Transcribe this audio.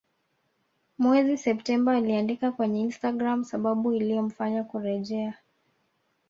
Mwezi Septemba aliandika kwenye Instagram sababu iliyomfanya kurejea